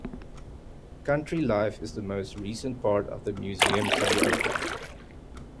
Country Life is the most recent part of the museum to be opened.